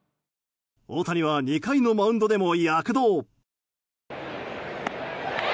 大谷は２回のマウンドでも躍動。